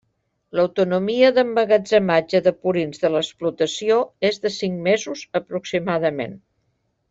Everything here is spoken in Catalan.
L'autonomia d'emmagatzematge de purins de l'explotació és de cinc mesos aproximadament.